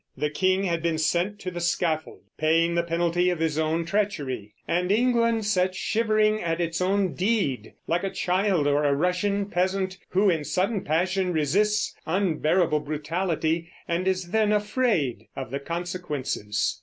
The king had been sent to the scaffold, paying the penalty of his own treachery, and England sat shivering at its own deed, like a child or a Russian peasant who in sudden passion resists unbearable brutality and then is afraid of the consequences.